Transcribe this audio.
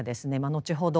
後ほど